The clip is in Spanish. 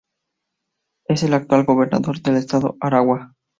Es el actual gobernador del estado Aragua.